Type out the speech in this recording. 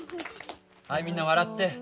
はいみんな笑って。